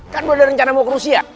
kan udah rencana mau ke rusia